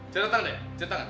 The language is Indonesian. ceritakan deh ceritakan